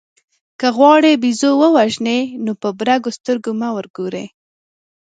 که غواړئ بېزو ووژنئ نو په برګو سترګو مه ورګورئ.